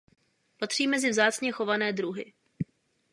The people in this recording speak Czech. Patří mezi vzácně chované druhy.